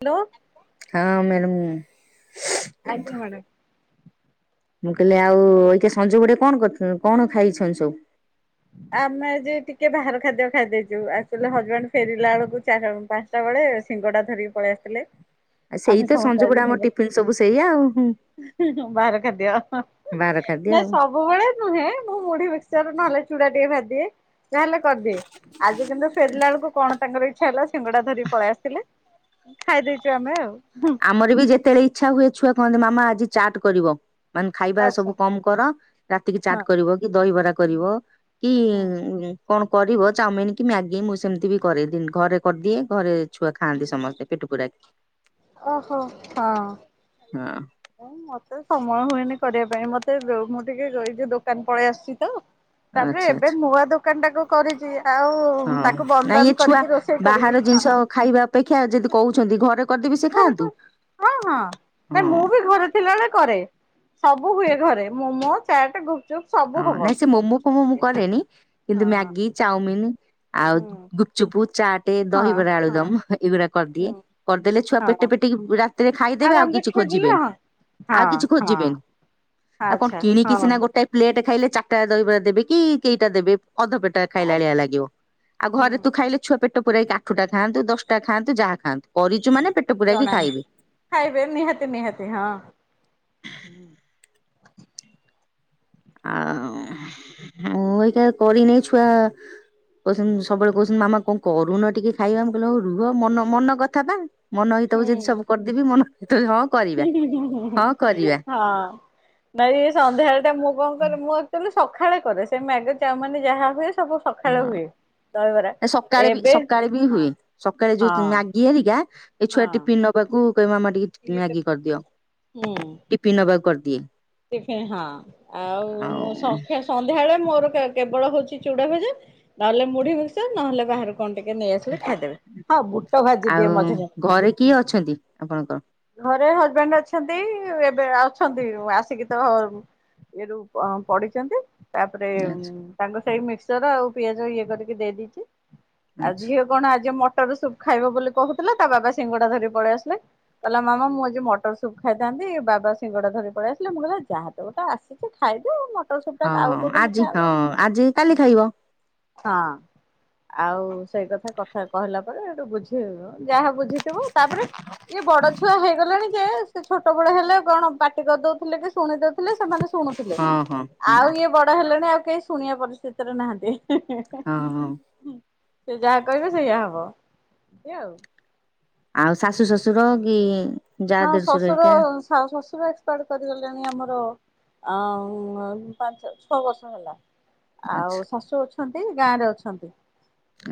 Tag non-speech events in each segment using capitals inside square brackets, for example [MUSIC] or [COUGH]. Hello ହଁ madam. ଆଜ୍ଞା madam. ମୁଁ କହିଲି ଆଉ ଏଇକା ସଞ୍ଜ ବୁଡେ କଣ କରୁଥି କଣ ଖାଇଚନ୍ତି ସବୁ? ଆମେ ଆଜି ଟିକେ ବାହାର ଖାଦ୍ୟ ଖାଇଦେଇଚୁ, ଆକ୍ଚୁଆଲି ହଜବେଣ୍ଡ ଫେରିଲା ବେଳକୁ ଚାରି ପାଞ୍ଚଟା ବେଳେ ସିଙ୍ଗଡା ଧରିକି ପଳେଇ ଆସିଥିଲେ। ଆଉ ସେଇ ଆମେ ତ ସମସ୍ତେ ସଞ ଆଜି ବୁଡେ ଆମ ସିଙ୍ଗ ଟିଫିିନ୍ ସବୁ ସେଇଆ ଆଉ। ବାହାର ଖାଦ୍ଯ। ବାହାର ଖାଦ୍ୟ ନାଇଁ ଆଉ। ସବୁବେଳେ ନୁହେଁ ମୁଁ ମୁଢି ମିକ୍ସଚର ନହଲେ ଚୁଡ଼ା ଟିକେ ଭାଜିଦିଏ, ଯାହେଲେ କରିଦିଏ ଆଜି କିନ୍ତୁ ଫେରିଲା ବେଳକୁ କଣ ତାଙ୍କର ଇଚ୍ଛା ହେଲା ସିଙ୍ଗଡା ଧରିକି ପଳେଇ ଆସିଥିଲେ, ଖାଇ ଦେଇଚୁ ଆମେ ଆଉ। ଆମର ବି ଯେତେବେଳେ ଇଚ୍ଛା ହୁଏ ଛୁଆ କହନ୍ତି ମାମା ଆଜି ଚାଟ୍ କରିବ। ମାନେ ଖାଇବା ଆଚ୍ଛା ସବୁ କମ୍ କର ରାତିକି ଚାଟ୍ କରିବ କି ଦହିବରା କରିବ। କି ହଁ କଣ କରିବ ଚାମିନ କି ମ୍ୟାଗି ମୁଁ ସେମିତି ବି କରେ ଘରେ କରିଦିଏ ଘରେ ଛୁଆ ଖାଆନ୍ତି ସମସ୍ତେ। ପେଟ ପୁରା ଓହୋ ହଁ ହଁ ମତେ ସ ମୟ ହୁଏନି କରିବା ପାଇଁ ମତେ ମୁଁ ଟିକେ ଏ ଯୋଉ ଦୋକାନ ପଳେଇ ଆସୁଚି ତ। ତାପରେ ଆଚ୍ଛା ଏବେ ଆଚ୍ଛା ନୂଆ ଦୋକାନଟାକୁୁ କରି ଆଉ ହଁ ତାକୁ ବନ୍ଦ ନାଇଁ ଏ ବାନ୍ଦ୍ ଛୁଆ କରିକି ରୋଷେଇ କରିବି ବାହାର ଜିନିଷ ହଁ। ଖାଇବା ଅପେକ୍ଷା ଯଦି କହୁଛନ୍ତି ଘରେ କରିଦେବି ସେ ହଁ ଖାଆନ୍ତୁ ହଁ ନା ହଁ। ମୁଁ ବି ଘରେ ଥିଲାବେଳେ କରେ। ସବୁ ହୁଏ ଘରେ ମୋମୋ ଚାଟ୍ ଗୁ ହଁ ନାଇଁ ସେ ମୋମୋ କୋମୋ ମୁଁ କରେନି ହଁ କିନ୍ତୁ ମ୍ୟାଗି ଚାଉମିିନି। ଆଉ ହୁଁ ଗୁପଚୁପୁ ଚାଟେ ହଁ ଦହିବରା ହଁ ଆଳୁଦମ୍ ଏଇଗୁଡା କରିଦିଏ, ହୁଁ କରିଦେଲେ ଛୁଆ ପେଟ ହଁ ପେଟ [UNINTELLIGIBLE] ରାତିରେ ଖାଇଦେବେ ଆଉ ଆରାମରେ କିଛି ଖାଇଦେଲେ ଖୋଜିବେ ହଁ ହଁ ହଁ। ଆଉ କଣ ଆଚ୍ଛା କିଣକିି ହଁ ସିନା ଗୋଟାଏ ପ୍ଲେଟ ଖାଇଲେ ଚାରିଟା ଦହିବରା ଦେବେ କି କେଇଟା ଦେବେ ଅଧ ପେଟା ଖାଇଲା ଆଳିଆ ଲାଗିବ, ଆଉ ହୁଁ ଘରେ ତୁ ଖାଇଲେ ଛୁଆ ପେଟ ଟ ପୁରାଇ ଆଠଟା ଖାଆନ୍ତୁ ଦଶଟା ଖାଆନ୍ତୁ ଯାହା ଖାଆନ୍ତୁ। କରିଛୁ ମାନେ ପେଟ ପୁରାଇକି [UNINTELLIGIBLE] ଖାଇବେ ଖାଇବେ ନିହାତି ନିହାତି ହଁ। ଆଉ ମୁଁ ଏଇକା କରିନି ଛୁଆ କହୁଚନ୍ତି ସବୁବେଳେ କହୁଚନ୍ତି ମାମା କଣ କରୁନ ଟିକେ ଖାଇବା, ମୁଁ କହିଲ ହଉ ରୁହ ମନ ମନ କଥା ପା ମନ ହେଇଥବ ଯଦି ସବୁ କରିଦେବି ମନ ହେଇଥବ ହଁ କରିବା ହିଁ ହିଁ ହିଁ ହଁ କରିବା ହଁ ନାଇ ଏଇ ସନ୍ଧ୍ୟାବେଳଟା ମୁଁ କଣ କରେ ମୁଁ ଆକ୍ଚୁଆଲି ସଖାଳେ କରେ ସେ ମ୍ୟାଗି ଚାଉମିନି ଯାହା ହୁଏ ସବୁ ସଖାଳେ ହଁ ହୁଏ। ଦହିବରା ସକାଳେ ବି ଏବେ ସକାଳେ ବି ହୁଏ ହଁ ସକାଳେ ଯୋଉ ହଁ ମ୍ୟାଗି ହେରିକା ଏଇ ଛୁଆ ହଁ ଟିପିନ୍ ନବାକୁ କହିବେ ମାମା ଟିକେ ଟିପିନ୍ ଇଏ ତ ମ୍ୟାଗି କରିଦିଅ ଟିପିନ୍ ନବାକୁ କରିଦିଏ। ଟିଫିନ୍ ହଁ ଆଉ ସଖା ସନ୍ଧ୍ୟାଳେ ମୋର କେ କେବଳ ହଉଚି, ଚୁଡା ଭଜା ନହେଲେ ମୁଢି ମିକ୍ସଚର ନହେଲେ ବାହାରୁ କଣ ଟିକେ ନେଇ ଆସିଲେ ଖାଇଦେବେ, ହଁ ବୁଟ ଭାଜି ଆଉ ଦିଏ ମଝିରେ ମଝିରେ ଘରେ କିଏ ଅଛନ୍ତି ଆପଣଙ୍କର? ଘରେ ହଜବେଣ୍ଡ ଅଛନ୍ତି, ଏବେ ଅଛନ୍ତି ଆ ସିକି ତ ଇଏରୁ ପଡିଚନ୍ତି ତାପରେ ଆଚ୍ଛା ତାଙ୍କ ସେଇ ମିକ୍ସଚର ଆଉ ପିଆଜ ଇଏ କରିକି ଦେଇ ଦେଇଚି ଆଉ ଆଚ୍ଛା ଝିଅ କଣ ଆଜି ମ ଟର ସୁପ୍ ଖାଇବ ବୋଲି କହୁଥିଲା ତା ବାବା ସିଙ୍ଗଡା ଧରି ପଳେଇ ଆସିଲେ। କହିଲା ମାମା ମୁଁ ଆଜି ମଟର ସୁପ୍ ଖାଇଥାନ୍ତି, ବାବା ସିଙ୍ଗଡ଼ା ଧରି ପଳେଇ ଆସି ଲେ ମୁଁ କହିଲି ଯାହା ତ ଗୋଟେ ଆସିଚି ଖାଇଦେ ଆଉ [UNINTELLIGIBLE] ଆଉ ହଁ କୋଉ ଦିନ ଆଜି ହଁ ଆଜି କାଲି [UNINTELLIGIBLE] ଖାଇବ ହଁ ଆଉ ସେଇ କଥା କଥା କହିଲା ପରେ ଏଇଠୁ ବୁଝି ଯାହା ବୁଝିଥିବୁ, ତାପରେ ଇଏ ବଡ ଛୁଆ ହେଇଗଲାଣି ଯେ ସେ ଛୋଟବେଳେ ହେଲେ କଣ ପାଟି କରିଦଉଥିଲେ କି ଶୁଣି ଦଉଥିଲେ ସେମାନେ ଶୁଣୁଥିଲେ, ହଁ ହଁ ଆଉ ହଁ ଇଏ ବଡ ହେଲେଣି ଆଉ କେହି ଶୁଣିବା ପରିସ୍ଥିତିରେ ନାହାନ୍ତି। ହଁ- ହଁ। ସେ ଯାହା କହିବେ ସେଇଆ ହବ ଏଇଆ ଆଉ। ଆଉ ଶାଶୁ ଶଶୁର କି ଯା ହଁ ଦେଢଶୁର ଶ୍ୱଶୁର ହେରିକା ଶା ଶଶୁର ଏକ୍ସପାଡ କରିଗଲେଣି ଆମର ଆଁ ପାଞ୍ଚ ଛଅ ବର୍ଷ ହେଲା। ଆଚ୍ଛା ଆଉ ଶାଶୁ ଅଛନ୍ତି, ଗାଁରେ ଅଛନ୍ତି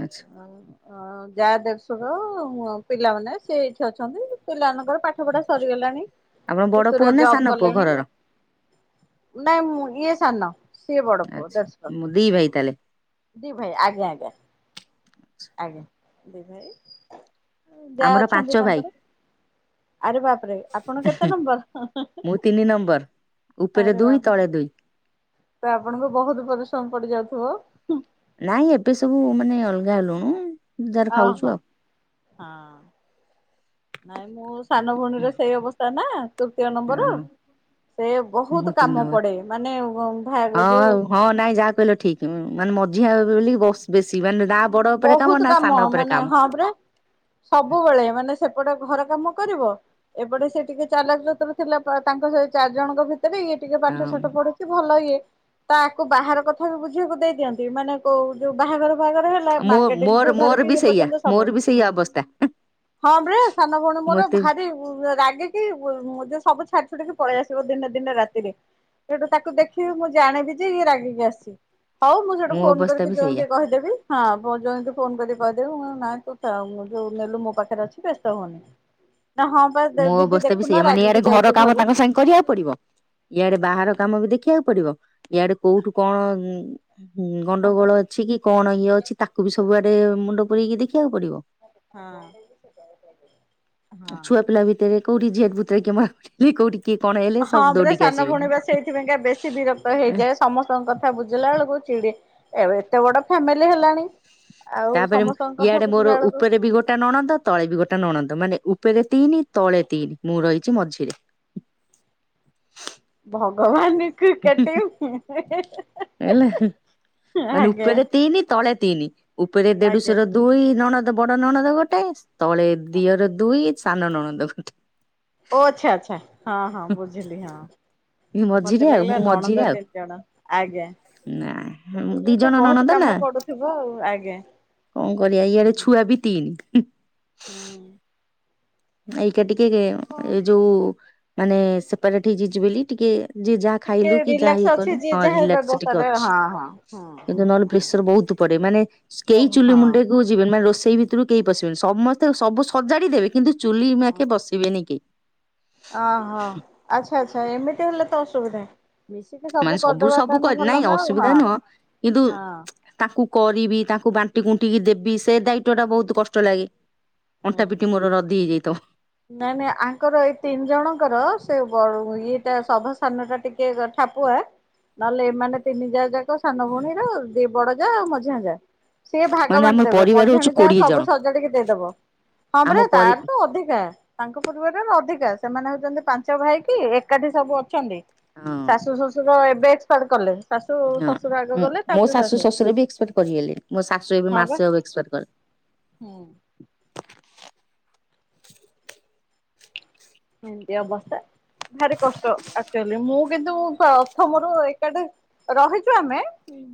ଆଚ୍ଛା। । ଅଁ ଯା ଦେଢଶୁର ପିଲାମାନେ ସେ ଏଇଠି ଅଛନ୍ତି। ପିଲାମାନଙ୍କର ପାଠପଢ଼ା ସରିଗଲାଣି, ଆପଣ ବଡ ପୁଅ ପୁତୁରା ନା ଜବ ସାନ ପୁଅ କଲେଣି। ଘରର? ନାଇଁ ମୁଁ ଇଏ ସାନ ସିଏ ବଡ ପୁଅ ଆଚ୍ଛା ଦେଢ଼ଶୂର ମୁଁ ଦି ଭାଇ ତାହେଲେ ଦି ଭାଇ ଆଜ୍ଞା ଆଜ୍ଞା ଆଜ୍ଞା ଦି ଭାଇ। ଯାଆ ଆମର ପାଞ୍ଚ ଅଛନ୍ତି ଭାଇ ତାଙ୍କର। ଆରେ ବାପରେ, ଆପଣ କେତେ ନମ୍ବର? ମୁଁ ତିନି ନମ୍ବର। ଉପରେ ଆରେ ଦୁଇ ବାପରେ ତଳେ ଦୁଇ। ତ ଆପଣଙ୍କୁ ବହୁତ ପରିଶ୍ରମ ପଡି ଯାଉଥିବ? ନାଇଁ ଏବେ ସବୁ ମାନେ ଅଲଗା ହେଲୁଣୁ। ଯାର ଓ ଖାଉଛୁ ହୋ ଆଉ। ହଁ ନାଇଁ ମୋ ସାନ ଭଉଣୀର ସେଇ ଅବସ୍ ନା ତୃତୀୟ ନମ୍ବର ସେ ବହୁତ କାମ ହଁ ପଡେ ମାନେ ଭା ଯୋଉ ଆଉ ହଁ ନାଇଁ ଯାହା କହିଲ ଠିକ ମାନେ ମ ଝିଅ ହବ ବେଲି ବେଶୀ ମାନେ ନା ବଡ ଉପରେ ବହୁତ ନା କାମ ସାନ ଉପରେ ମାନେ କାମ। ହଁ ପରା, ସବୁବେଳେ ମାନେ ସେପଟେ ଘର କାମ କରିବ ଏପଟେ ସେ ଟିକେ ଚାଲାକ ଚତୁର ଥିଲା, ତାଙ୍କ ସେ ଚାରି ଜଣଙ୍କ ଭିତରେ ତେବେ ଇଏ ଟିକେ ପାଠ ହଁ ଶାଠ ପଢ଼ୁଛି, ଭଲ ଇଏ ତାକୁ ବାହାର କଥା ବି ବୁଝିବାକୁ ଦେଇ ଦିଅନ୍ତି, ମାନେ କୋଉ ଯୋଉ ବାହାଘର ଫାହାଘର ମୋ ମାର୍କେଟିଙ୍ଗ ମୋର ଠୁ ମୋର ଧରିକି ବି ସେଇଆ ଏପର୍ଯ୍ୟନ୍ତ ମୋର ସବୁ। ବି ସେଇଆ ଅବସ୍ଥା। ହଁ ବା ସାନ ଭଉଣୀ ମୋର ମତେ ବି ଭାରି ରାଗିକି, ଯୋଉ ସବୁ ଛା ଡିକି ପଳେଇ ଆସିବ ଦିନେ ଦିନେ ରାତିରେ, ସେଠୁ ତାକୁ ଦେଖିବି ମୁଁ ଜାଣିବି ଯେ ଇଏ ରାଗିକି ଆସିଛି। ହଉ ମୁଁ ସେଠୁ ମୋ ଫୋନ ଅବସ୍ଥା କରିକି ବି ଜୋଇଁ ସେଇଆ କି କହିଦେବି ହଁ। ଜୋଇଁ କୁ ଫୋନ କରି କହିଦେବି, ମୁଁ କହିବି ନାଇଁ ତୁ ଯୋଉ ନେଲୁ ମୋ ପାଖରେ ଅଛି ବ୍ୟସ୍ତ ହୁଅନି। ମୋ ଅବସ୍ଥା ବି ସେଇଆ, ମାନେ ୟାଡେ ଘର ଯାଇଛି କାମ ଘରୁ। ତାଙ୍କ ସାଙ୍ଗେ କରିବାକୁ ପଡିବ। ଇଆଡେ ବାହାର କାମ ବି ଦେଖିବାକୁ ପଡିବ, ଇଆଡେ କୋଉଠୁ କଣ ହୁଁ ହଁ ଗଣ୍ଡଗୋଳ ଅଛି କି କଣ ଇଏ ଅଛି, ତାକୁ ବି ସବୁଆଡେ ମୁଣ୍ଡ ପୁରେଇକି ଦେଖିବାକୁ ପଡିବ। ହଁ। ଛୁଆପିଲା ଭିତରେ କୋଉଠି [UNINTELLIGIBLE] କୋଉଠି କିଏ କଣ ହେଲେ ହଁ ସବୁ ପରା ଦୌଡିକି ସାନ ଆସିବେ ଭଉଣୀ ବା ସେଇଥିପାଇଁକା ବେଶୀ ବିରକ୍ତ ହେଇଯାଏ, ସମସ୍ତଙ୍କ କଥା ବୁଝିଲା ବେଳକୁ ଚିଡି ଏବେ ଏତେ ବଡ ଫ୍ୟାମିଲି ହେଲାଣି। ଆଉ ତାପରେ ସମସ୍ତଙ୍କ କଥା ଇଆଡେ ମୋର ବୁଝିଲା ବେଳକୁ ଉପରେ ବି ଗୋଟା ନଣନ୍ଦ ତଳେ ବି ଗୋଟେ ନଣନ୍ଦ। ମାନେ ଉପରେ ତିନି ତଳେ ତିନି ମୁଁ ରହିଛି ମଝିରେ। ଭଗବାନ କ୍ରିକେଟ ଟିମ୍ ହେ - ହେ - ହେ । ହେଲା ମାନେ ଉପେରେ ତିନି ତଳେ ତିନି। ଉପରେ ଆଜ୍ଞା ଦେଢୁଶର ଦୁଇ ନଣ ବଡ ନଣଦ ଗୋଟେ, ତଳେ ଦିଅର ଦୁଇ ସାନ ନଣଦ ଗୋଟେ। ଓ ଆଚ୍ଛା ଆଚ୍ଛା। ହଁ- ହଁ ବୁଝିଲି ହଁ ମଝିରେ ମତେ ଆଉ ଲାଗିଲା ମୁଁ ମଝିରେ ନଣନ୍ଦ ଆଉ ତିନି ଜଣ। ନା ଦି ସେତେବେଳେ ତ ଜଣ ବହୁତ ନଣନ୍ଦ ନା କାମ ପଡୁଥିବ ଆଉ । କଣ କରିବା ଇଆଡେ ଛୁଆ ବି ତିନି। ହୁଁ। ଏଇକା ଟିକେ ଉଁ କଣ ଏ ଯୋଉ ମାନେ ସେପାରେଟ ହେଇଯାଇଛି ବୋଲି ଟିକେ ଯେ ଯାହା ଟିକେ ଖାଇଲୁ କି ଯାହା ରିଲାକ୍ସ ଇଏ କଲୁ, ଅଛି ଯିଏ ହଁ ଯାହା ରିଲାକ୍ସ ଟିକେ ବ୍ୟବସ୍ଥାରେ ଅଛି। ହଁ ହଁ ହଁ କିନ୍ତୁ ନହେଲେ ହଁ ପ୍ରେସର ବହୁତୁ ପଡେ ମାନେ କେଇ ଚୁଲି ଓହୋ ମୁଣ୍ଡେ କୁ ଯିବେନି ମାନେ ରୋଷ ଷେଇ ଭିତିରୁ କେହି ପଶିବେନି ସମସ୍ତେ ସବୁ ସଜାଡି ଦେବେ କିନ୍ତୁ ଚୁଲି ମାଖେ ବସିବେନି କେହି। ଆହୋ ଆଚ୍ଛା ଆଚ୍ଛା ଏମିତି ହେଲେ ତ ଅସୁବିଧା। ମିଶିକି ମାନେ ସବୁ କରିଦବା ସବୁ ତା ହେଲେ କରି ନାଇଁ ଭଲ ନା ଆଉ ଅସୁବିଧା ହଁ ନୁହଁ କିନ୍ତୁ ହଁ ତାଙ୍କୁ କରିବି ତାଙ୍କୁ ବାଣ୍ଟି କୁଣ୍ଟିକି ଦେବି ସେ ତେ ଦାୟିତ୍ଵ ଟା ହୁଁ ବହୁତ କଷ୍ଟ ଲାଗେ। ଅଣ୍ଟା ହୁଁ ପିଠି ମୋର ରଦି ହେଇଯାଇଥାଉ। ନାଇଁ ନାଇଁ ଆଙ୍କର ଏଇ ତିନି ଜଣଙ୍କର ସେ ବ ଉଁ ଇଏଟା ସଭା ସାନ ଟା ଟିକେ ଗ ଠାପୁଆ। ନହେଲେ ଏମାନେ ତିନି ଯା ଯାକ ସାନ ଭଉଣୀର ଦି ବଡ଼ ଯା ଆଉ ମଝିଆ ଯା। ସିଏ ଭାଗ ମାନେ ଆମ ବାଣ୍ଟିଦେବେ ପରିବାର ହଉଛି ମଝିଆଣି ଯା କୋଡିଏ ଜଣ ସବୁ ସଜାଡିକି ଦେଇଦବ। ହଁ ଆମ ପରା ପରି ତାର ତ ଅଧିକା। ତାଙ୍କ ପରିବାରରେ ଆମେ ଅଧିକା ସେମାନେ ହଉଚନ୍ତି ପାଞ୍ଚ ଭାଇ କି ଏକାଠି ସବୁ ଅଛନ୍ତି। ହଁ ଶାଶୁ ଶଶୁର ଏବେ ଏକ୍ସପାୟାଡ କଲେ। ଶାଶୁ ହଁ ଶ୍ୱଶୁର ଆଗ ମୁ ଗଲେ ମୋ ତାପରେ ଶାଶୁ ଶଶୁର ବି ଏକ୍ସପେକ୍ଟ କରିଗଲେଣି ମୋ ଶାଶୁ ଏବେ ହଁ ବା। ମାସେ ହବ ଏକ୍ସପାୟାଡ କ ହୁଁ। ଏମିତି ଅବସ୍ଥା ଭାରି କଷ୍ଟ ଆକ୍ଚୋଲି ମୁଁ କିନ୍ତୁ ପ୍ରଥମରୁ ଏକାଠି ରହିଚୁ ଆମେ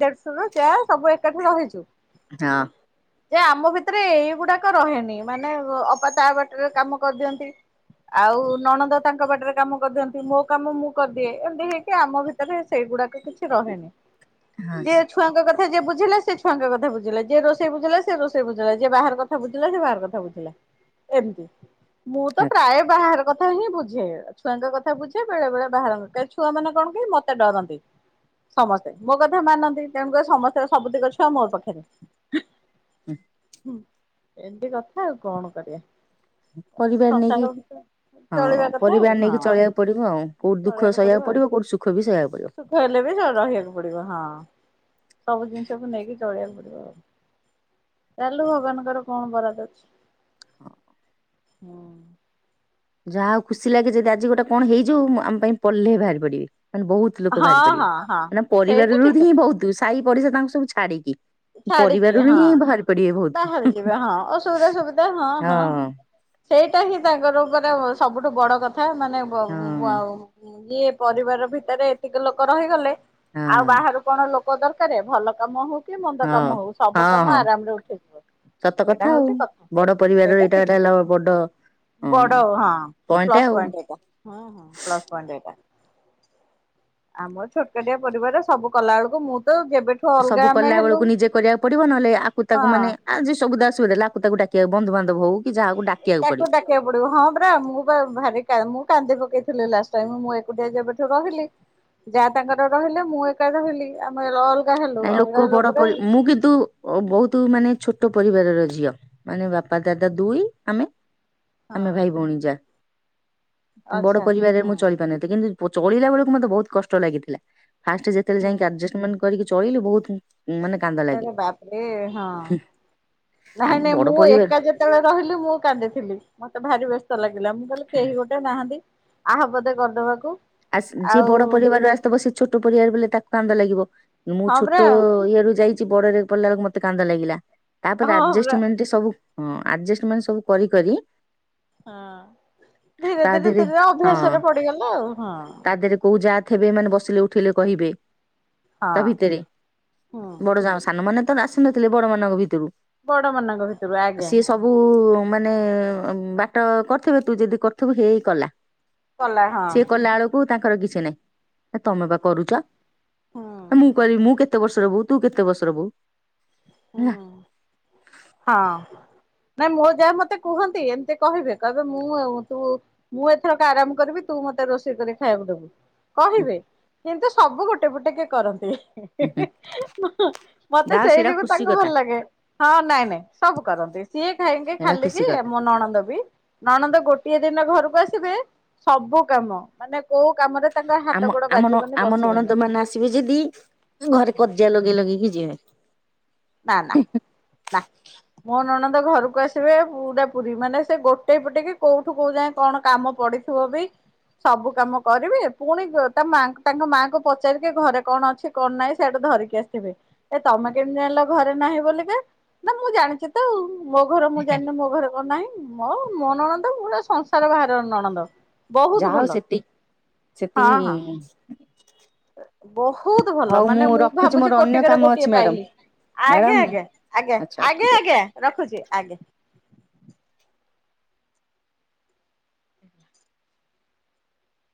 ଦେଢଶୁର ଯା ସବୁ ଏକାଠି ରହିଛୁ।‌ ହଁ। ଯେ ଆମ ଭିତରେ ଏଇଗୁଡାକ ରହେନି ମାନେ ଅ ଅପା ତା ବାଟରେ କାମ କରିଦିଅନ୍ତି। ଆଉ ନଣନ୍ଦ ତାଙ୍କ ବାଟରେ କାମ କରିଦିଅନ୍ତି ମୋ କାମ ମୁଁ କରିଦିଏ ଏମିତି ହେଇକି ଆମ ଭିତରେ ସେଇଗୁଡା [INAUDIBLE] କିଛି ରହେନି ଯିଏ ଆଚ୍ଛା ଛୁଆଙ୍କ କ ଥା ଯିଏ ବୁଝିଲା ସିଏ ଛୁଆଙ୍କ କଥା ବୁଝିଲା ଯିଏ ରୋଷେଇ ବୁଝିଲା ସିଏ ରୋଷେଇ ବୁଝିଲା ଯିଏ ବାହାର କଥା ବୁଝିଲା ସିଏ ବାହାର କଥା ବୁଝିଲା। ଏମତି ମୁଁ ତ ପ୍ରାୟେ ବାହାର କଥା ହିଁ ବୁଝେ ଛୁଆଙ୍କ କଥା ବୁଝେ ବେଳେ ବେଳେ ବାହାର କାଇଁ ଛୁଆ ମାନେ କଣ କି ମତେ ଡରନ୍ତି। ସମସ୍ତେ ମୋ କଥା ମାନନ୍ତି ତେଣୁକରି ସମସ୍ତେ ସବୁ ତିକ ଛୁଆ ମୋ ପାଖେରେ। ହୁଁ ହୁଁ ଏମତି କଥା ଆଉ କଣ କରିଆ। ପରିବାର ନେଇକି। ହଁ ଚଳିବା କଥା ଆଉ ପରିବାର ନେଇକି ହଁ। ଚଳିଆକୁ ପଡ଼ିବ ଆଉ କୋଉଠି ଦୁଃଖ ଚଳେଇବାକୁ ପଡିବ ସହିଆକୁ ଆଉ ପଡ଼ିବ କୋଉଠି ସୁଖ ବି ସହିଆକୁ ପଡ଼ିବ। ସୁଖ ହେଲେ ବି ଚ ରହିଆକୁ ପଡ଼ିବ ହଁ ସବୁ ଜିନିଷକୁ ନେଇକି ଚଳେଆକୁ ପଡ଼ିବ। ଚାଲୁ ଭଗବାନଙ୍କର କଣ ବରାଦ ଅଛି। ହଁ ହୁଁ। ଯାହା ହଉ ଖୁସି ଲାଗେ ଯଦି ଆଜି ଗୋଟେ କଣ ହେଇଯିବୁ ମୋ ଆମ ପାଇଁ ପହ୍ଲେ ବାହାରି ପଡିବେ। ମାନେ ବହୁତୁ ଲୋକ ବାହାରି ହଁ ପାରିବେ। ହଁ ହଁ ମାନେ ଆମ ସେଇଟା ପରିବାରରୁ ଠିକ ହିଁ କଥା ବହୁତ ସାହି ପଡ଼ିଶା ତାଙ୍କୁ ସବୁ ଛାଡିକି। ଛାଡିକି ପରିବାରରୁ ହଁ ହିଁ ବାହାରି ପଡିବେ ବହୁତ। ବାହାରି ଯିବେ ହଁ ଅସୁବିଧା ସୁବିଧା ହଁ ହଁ। ସେଇଟା ହିଁ ତାଙ୍କର ଉପରେ ସବୁଠୁ ବଡ଼ କଥା ମାନେ ବ ହଁ ଉଁ ବା ଉଁ ଉଁ ଇଏ ପରିବାର ଭିତରେ ଏତିକି ଲୋକ ରହିଗଲେ ହଁ ଆଉ ବାହାରୁ କଣ ଲୋ କ ଦରକାରେ ଭଲ କାମ ହଉ କି ମନ୍ଦ ହଁ କାମ ହଉ ସବୁ ହଁ କାମ ହଁ। ଆରାମରେ ଉଠିଯିବ। ସତ ସେଇଟା କଥା ଆଉ ହଉଛି କଥା ବଡ ପରିବାରର ଏଇଟା ଗୋଟେ ହେଲ ବଡ଼ ବଡୋ ହଁ ପ୍ଲସ ପଏଣ୍ଟ ଏଇଟା ହଁ ହଁ ପ୍ଲସ ପଏଣ୍ଟ ଏଇଟା। ଆମର ଛୋଟ କାଟିଆ ପରିବାର ରେ ସବୁ କଲା ବେଳକୁ ମୁଁ ତ କେବେଠୁ ଅଲଗା ଆମେ ହେ କୁ ନିଜେ କରିଆକୁ ପଡିବ ନହେଲେ ଆକୁ ତାକୁ ମାନେ ଆଜି ସୁବିଧା ଅସୁବିଧା ହେଲା ଆକୁ ତାକୁ ଡାକିଆକୁ ବନ୍ଧୁବାନ୍ଧବ ହଉ। କି ଯାହାକୁ ଡାକିବାକୁ ତାକୁ ପଡିବ ଡାକିଆକୁ ପଡିବ ହଁ ପରା ମୁଁ ବା ଭାରି କା ମୁଁ କାନ୍ଦି ପକେଇଥିଲି ଲାଷ୍ଟ ଟାଇମ୍ ମୁଁ ଏକୁଟିଆ ଯେବେଠୁ ରହିଲି ଯା ତାଙ୍କର ରହିଲେ ମୁଁ ଏକା ରହିଲି ଆମେ ରଲ ନାଇଁ ଲୋକ ବଡ଼ ପରି ମୁଁ କିନ୍ତୁ ଅ ବହୁତୁ ମାନେ ଛୋଟ ପରିବାରର ଝିଅ। ମାନେ ବାପା ଦାଦା ଦୁଇ ଆମେ ଆମେ ଭାଇ ଭଉଣୀ ଯାହା। ବଡ ଆଚ୍ଛା ପରିବାରରେ ମୁଁ ଚଳି ପାରୁନଥିଲି। କିନ୍ତୁ ଚଳିଲା ବେଳକୁ ମତେ ବହୁତ କଷ୍ଟ ଲାଗିଥିଲା। ଫାଷ୍ଟ ଯେତେଳେ ଯାଇକି ଆଡଜଷ୍ଟମେଣ୍ଟ କରିକି ଚଳେଇଲୁ ବହୁତ ମାନେ କାନ୍ଦ ଏ ଲାଗେ ବାପରେ ହଁ। ଆମ ନାଇଁ ନାଇଁ ବଡ ମୁଁ ପରିବାର ଏକା ଯେତେବେଳେ ରହିଲି ମୁଁ କାନ୍ଦିଥିଲି ମ ତେ ଭାରି ବ୍ୟସ୍ତ ଲାଗିଲା ମୁଁ କହିଲି କେହି ଗୋଟେ ନାହାନ୍ତି ଆହା ପଦେ କରିଦବାକୁ। ଆସ ଯିଏ ଆଉ ବଡ ପରିବାରରେ ଆସିଥିବ ସେ ଛୋଟ ପରିବାର ବଲେ ତାକୁ କାନ୍ଦ ଲାଗିବ। ମୁଁ ହଁ ପରା ଛୋଟ ଇଏ ରୁ ଯାଇଛି ବଡରେ ପଡିଲା ବେଳକୁ ମତେ କାନ୍ଦ ଲାଗିଲା। ତାପରେ ହଁ ପରା ଆଡଜଷ୍ଟମେଣ୍ଟ, ସବୁ ହଁ ଆଡଜଷ୍ଟମେଣ୍ଟ ସବୁ କରି କରି ହଁ ଧୀରେ ତା ଧୀରେ ଦେହରେ ଧୀରେ ହଁ ଅଭ୍ୟାସରେ ପଡିଗଲା ଆଉ। ହଁ ତା ଦେହରେ କୋଉ ଯା ଥିବେ ମାନେ ବସିଲେ ଉଠିଲେ କହିବେ। ହଁ ତା ଭିତରେ ହୁଁ ବଡ ଯା ସାନମାନେ ତ ଆସିନଥିଲେ ବଡ ମାନଙ୍କ ଭିତରୁ। ବଡ ମାନଙ୍କ ଭିତରୁ ଆଜ୍ଞା। ସିଏ ସବୁ-ଉ-ଉ-ଉ ମାନେ-ଏ-ଏ ବାଟ କରିଥିବେ ତୁ ଯଦି କରିଥିବୁ ହେଇ କଲା। ଭଲ। ସିଏ କଲା ବେଳକୁ ତାଙ୍କର କିଛି ନାଇଁ। ତମେ ବା କରୁଛ ହୁଁ ମୁଁ କରିବି ମୁଁ କେ କେତେ ବର୍ଷର ବୋହୁ ତୁ କେତେ ବର୍ଷର ବୋହୁ ହୁଁ ହେଲା। ହଁ। ନାଇଁ ମୋ ଯା ମତେ କୁହନ୍ତି ଏମିତି କହିବେ କହିବେ ମୁଁ ଅ-ଅ ତୁ ମୁଁ ଏଥରକ ଆରାମ କରିବି ତୁ ମତେ ରୋଷେଇ କରି ଖାଇବାକୁ ଦେବୁ କହିବେ କିନ୍ତୁ ସବୁ ଗୋଟେଇ ପଟେଇ କି କରନ୍ତି। ହିଁ ହୁଁ, ହୁଁ। ହିଁ ମ୍ ମତେ ଯାହା ହଉ ସେଇ ସେଇଟା ଯୋଗୁ ଖୁସି ତାଙ୍କୁ ଭଲ କଥା। ଲାଗେ ହଁ ନା ଇ ସବୁ କରନ୍ତି ସିଏ କାଇଁକି ସେଇଟା ଖାଲିିକି ଖୁସି କଥା ମୋ ନଣନ୍ଦ ବି ନଣନ୍ଦ ଗୋ ଗୋଟିଏ ଦିନ ଘରକୁ ଆସିବେ ସବୁ କାମ ମାନେ କୋଉ କାମରେ ତାଙ୍କ ହାତ ଆମ ଗୋଡ ଆମ ନଣ ବାଜିବନି ଆମ ବସିବେନି। ନଣନ୍ଦ ମାନେ ଆସିବେ ଯଦି ଘରେ କଜିଆ ଲଗେଇ ଲଗେଇକି ଯିବେ। ନା ନା ନା। ମୋ ନଣନ୍ଦ ଘରକୁ ଆସିବେ ପୁରା ପୁରୀ ମାନେ ସେ ଗୋଟେ ପଟେଇ କି କୋଉଠୁ କୋଉ ଯାଏ କଣ କାମ ମ ପଡିଥିବ ବି ସବୁ କାମ କରିବେ ପୁଣି ତା ମା ତାଙ୍କ ମାଆଙ୍କୁ ପଚାରିକ ଘରେ କଣ ଅଛି କଣ ନାହିଁ ସେଇଆଡୁ ଧରିକି ଆସିଥିବେ ଏ ତମେ କେମିତି ଜାଣିଲ ଘରେ ନାହିଁ ବୋଲିକା, ନା ମୁଁ ଜାଣିଛି ତ ମୋ ଘର ମୁଁ ଜାଣିନି ମୋ ଘରେ କଣ ନାହିଁ। ମୋ ମୋ ନଣନ୍ଦ ପୁରା ସଂସାର ବାହାର ନଣନ୍ଦ। ବହୁତ ଯାଅ ଭଲ ସେତିକି ହଁ ହଁ ସେତିକି-ଇ-ଇ-ଇ ବହୁତ ଭଲ ମାନେ ମୁଁ ରଖୁଛି ଭାବୁଛି ମୋର ଅନ୍ୟ କୋଟିକିରେ କାମ ଅଛି ଗୋଟିଏ ମ୍ୟାଡାମ ପାଇଲି। ମ୍ୟାଡାମ ଆଜ୍ଞା ଆଜ୍ଞା ଆଜ୍ଞା ଆଚ୍ଛା ହଉ ଆଜ୍ଞା ଠିକ ଅଛି। ଆଜ୍ଞା ରଖୁଛି ଆଜ୍ଞା।